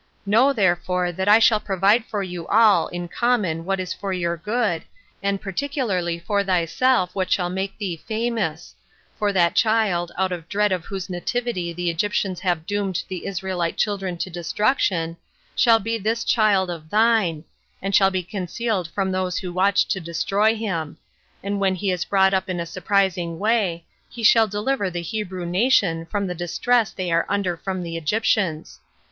Know therefore that I shall provide for you all in common what is for your good, and particularly for thyself what shall make thee famous; for that child, out of dread of whose nativity the Egyptians have doomed the Israelite children to destruction, shall be this child of thine, and shall be concealed from those who watch to destroy him: and when he is brought up in a surprising way, he shall deliver the Hebrew nation from the distress they are under from the Egyptians.